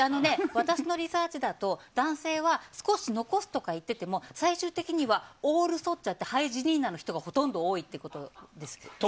私のリサーチだと男性は少し残すとか言っていても最終的にはオールそっちゃってハイジニーナの方が多いということです。